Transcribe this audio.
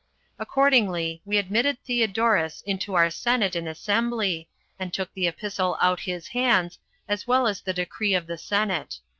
Accordingly, we admitted Theodorus into our senate and assembly, and took the epistle out his hands, as well as the decree of the senate.